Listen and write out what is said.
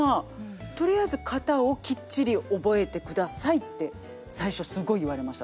「とりあえず型をきっちり覚えてください」って最初すごい言われました。